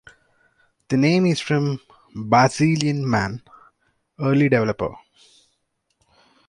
The name is from Barzillian Mann, early developer.